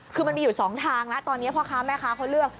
คือมันมีอยู่๒ทางแล้วตอนนี้พ่อค้าแม่ค้าเขาเลือก